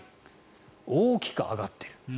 大きく上がっている。